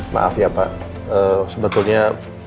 maaf ya pak sebetulnya